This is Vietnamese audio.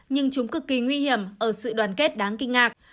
nhưng chúng cực kỳ nguy hiểm ở sự đoàn kết đáng kinh ngạc